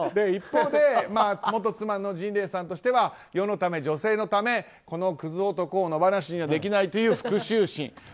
一方で元妻のジンレイさんとしては世のため女性のためこのクズ男を野放しにはできないという復讐心。